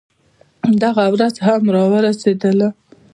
دغه ورځ هم راورسېدله.